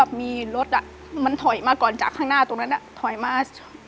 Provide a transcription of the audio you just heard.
เหยียบครึ่งเหยียบซ้ำ